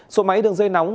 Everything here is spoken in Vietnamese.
số máy đường dây nóng